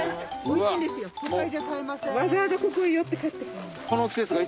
わざわざここへ寄って買って帰る。